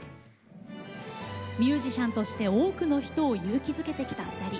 ミュージシャンとして多くの人を勇気づけてきた２人。